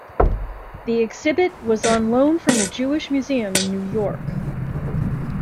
The exhibit was on loan from the Jewish Museum in New York.